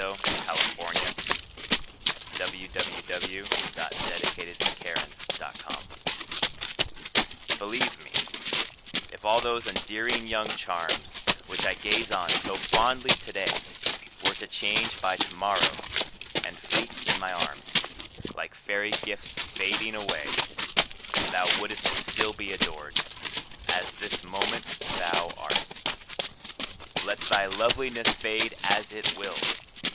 BELIEVE ME IF ALL THOSE ENDEARING YOUNG CHARMS. Believe me, if all those endearing young charms, Which I gaze on so fondly today, Were to change by to morrow, and fleet in my arms, Like fairy gifts fading away, Thou wouldst still be adored, as this moment thou art. Let thy loveliness fade as it will.